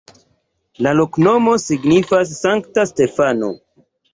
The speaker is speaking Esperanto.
La loknomo signifas: Sankta Stefano.